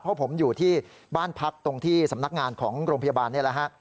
เพราะผมอยู่ที่บ้านพักตรงที่สำนักงานของโรงพยาบาลนี่แหละฮะ